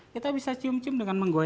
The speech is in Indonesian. kita bisa cium cium dengan menggoreng